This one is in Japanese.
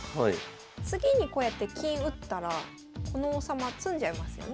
次にこうやって金打ったらこの王様詰んじゃいますよね。